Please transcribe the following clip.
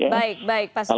baik baik pak sudarman